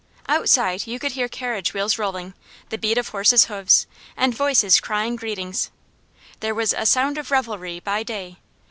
Outside you could hear carriage wheels rolling, the beat of horses' hoofs, and voices crying greetings. "There was a sound of revelry," by day.